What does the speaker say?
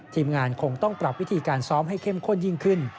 ทีมงานคงต้องปรับวิธีการซ้อมให้เข้มข้นยิ่งขึ้น